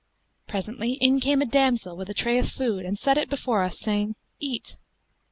Presently, in came a damsel with a tray of food and set it before us, saying, 'Eat.'